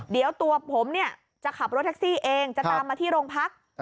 เดี๋ยวตัวผมเนี่ยจะขับรถแท็กซี่เองจะตามมาที่โรงพัก